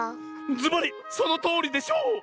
ずばりそのとおりでしょう！